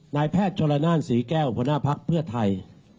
นายแพทย์โชลนานศรีแก้วหัวหน้าภักดิ์เพื่อไทย